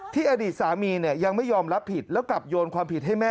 อดีตสามียังไม่ยอมรับผิดแล้วกลับโยนความผิดให้แม่